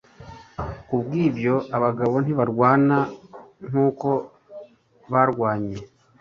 Kubwibyo abagabo ntibarwana nkuko barwanye